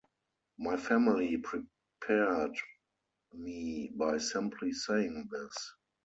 My family prepared me by simply saying this.